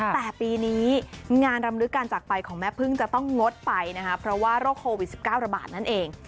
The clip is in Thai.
แต่ปีนี้งานรำลึกการจักรไปของแม่พึ่งจะต้องงดไปนะคะเพราะว่าโรคโควิด๑๙ระบาดนั่นเอง